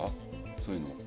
そういうの。